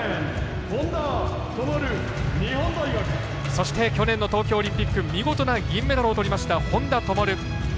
そして、去年の東京オリンピック見事な銀メダルを取りました本多灯。